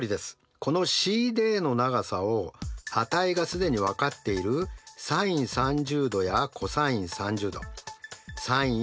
このＣＤの長さを値が既に分かっているｓｉｎ３０°やｃｏｓ３０°ｓｉｎ